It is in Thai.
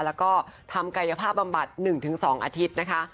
แล้วก็ทำกายภาพบำบัด๑๒อาทิตย์นะคะ